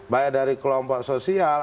baik dari kelompok sosial